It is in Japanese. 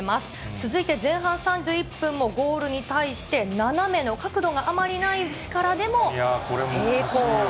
続いて前半３１分も、ゴールに対して斜めの角度があまりない位置からでも成功。